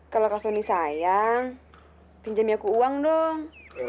kalau kak suni sayang pinjami aku uang dong